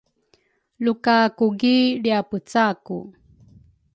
luka kugi lriapeceaku.